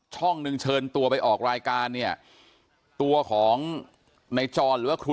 ช่องหนึ่งเชิญตัวไปออกรายการเนี่ยตัวของในจรหรือว่าครู